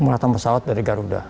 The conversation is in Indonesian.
murata pesawat dari garuda